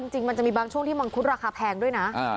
จริงมันจะมีบางช่วงที่มังคุดราคาแพงด้วยนะ